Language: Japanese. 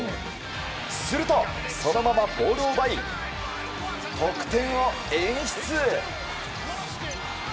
すると、そのままボールを奪い得点を演出！